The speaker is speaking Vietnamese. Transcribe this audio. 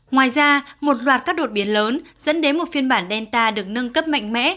ngoài ra một loạt các đột biến lớn dẫn đến một phiên bản delta được nâng cấp mạnh mẽ